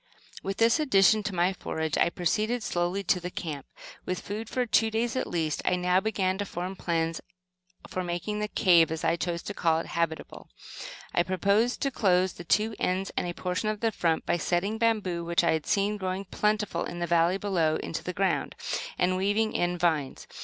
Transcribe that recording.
With this addition to my forage, I proceeded slowly to the camp. With food for two days at least, I now began to form plans for making the "cave," as I chose to call it, habitable. I proposed to close the two ends and a portion of the front, by setting bamboo, which I had seen growing plentifully in the valley below, into the ground, and weaving in vines.